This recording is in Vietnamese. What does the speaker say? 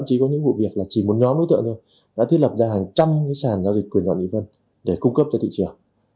chỉ có những vụ việc là chỉ một nhóm đối tượng thôi đã thiết lập ra hàng trăm sàn giao dịch của nhà mỹ vân để cung cấp cho thị trường